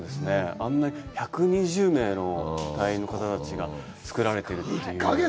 あんな１２０名の隊員の方たちが作られてるというのを。